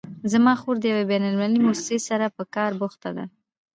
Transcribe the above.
زما خور د یوې بین المللي مؤسسې سره په کار بوخته ده